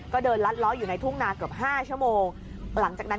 ก็เดินลัดล้ออยู่ในทุ่งนาเกือบห้าชั่วโมงหลังจากนั้น